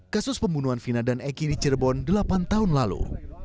kasus pembunuhan vina dan eki di cirebon delapan tahun lalu